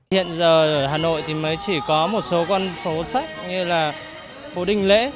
hiện giờ ở hà nội thì mới chỉ có một số con phố sách như là phố đinh lễ